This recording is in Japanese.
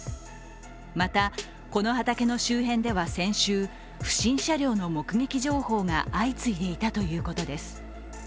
また、この畑の周辺では先週、不審車両の目撃情報が相次いでいたということです。